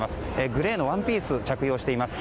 グレーのワンピースを着用しています。